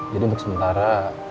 jadi untuk sementara